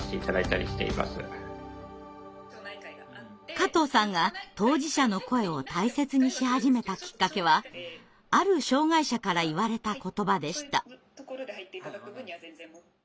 加藤さんが当事者の声を大切にし始めたきっかけはある障害者から言われた言葉でした。